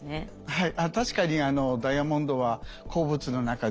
はい。